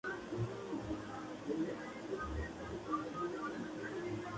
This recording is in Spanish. Durante la gira con Ritchie Blackmore, la canción no fue interpretada.